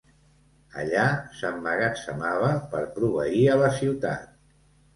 Allà s'emmagatzemava per proveir a la ciutat.